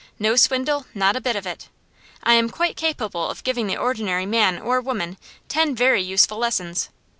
No swindle; not a bit of it. I am quite capable of giving the ordinary man or woman ten very useful lessons.